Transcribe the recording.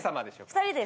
２人です。